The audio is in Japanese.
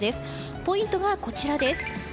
ポイントがこちらです。